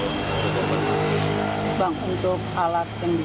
ada delapan pria yang sudah tayjiri demokrasi di bandung